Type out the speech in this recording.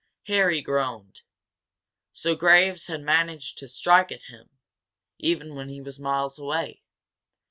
Harry groaned! So Graves had managed to strike at him, even when he was miles away.